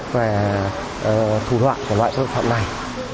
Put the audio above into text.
và thủ đoạn của loại thơ phẩm